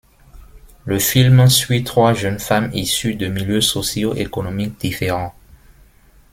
Le film suit trois jeunes femmes issues de milieux socio-économiques différents.